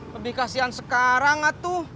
lebih kasian sekarang atuh